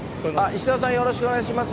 石澤さん、よろしくお願いします。